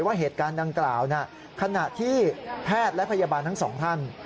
ว่าเหตุการณ์ดังกล่าวขณะที่แพทย์และพยาบาลทั้งสองท่าน